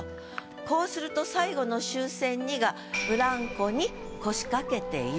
こうすると最後の「鞦韆に」がブランコに腰かけていると。